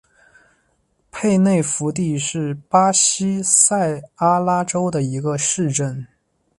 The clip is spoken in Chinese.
佩纳福蒂是巴西塞阿拉州的一个市镇。